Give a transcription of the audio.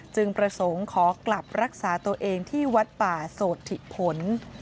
ประสงค์ขอกลับรักษาตัวเองที่วัดป่าโสธิผล